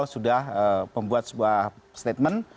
sudah membuat sebuah statement